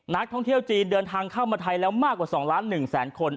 นักท่องเที่ยวจีนเดินทางเข้ามาไทยแล้วมากกว่า๒ล้าน๑แสนคน